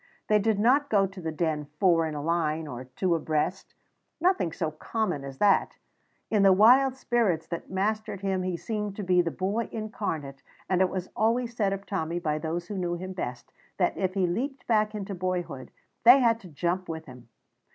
They did not go to the Den four in a line or two abreast nothing so common as that. In the wild spirits that mastered him he seemed to be the boy incarnate, and it was always said of Tommy by those who knew him best that if he leaped back into boyhood they had to jump with him.